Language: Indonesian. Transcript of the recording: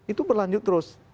itu berlanjut terus